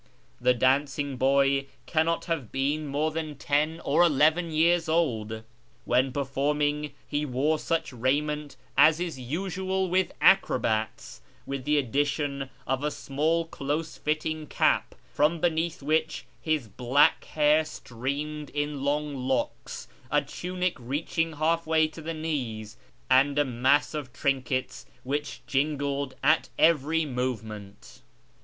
The dancing boy cannot have been more than ten or eleven years old. When performing, he wore such raiment as is usual with acrobats, with the addition of a small close fitting cap, from beneath which his black hair streamed in long locks, a tunic reaching half way to the knees, and a mass of trinkets which jingled at every movement.